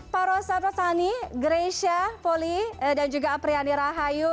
pak rosani grace poli dan juga apriyandi rahayu